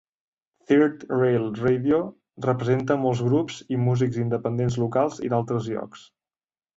Third Rail Radio presenta molts grups i músics independents locals i d'altres llocs.